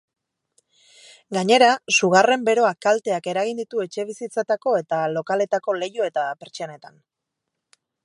Gainera, sugarren beroak kalteak eragin ditu etxebizitzetako eta lokaletako leiho eta pertsianetan.